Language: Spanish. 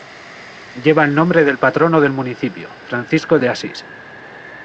Lleva el nombre del patrono del Municipio, Francisco de Asís.